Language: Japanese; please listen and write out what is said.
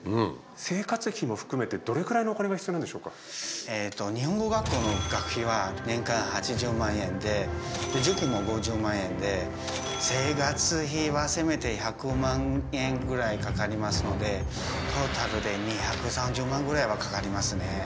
生徒さんは日本語学校の学費は年間８０万円で塾も５０万円で生活費はせめて１００万円ぐらいかかりますのでトータルで２３０万円ぐらいはかかりますね。